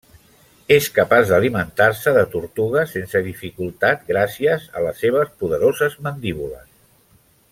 És capaç d'alimentar-se de tortugues sense dificultat gràcies a les seves poderoses mandíbules.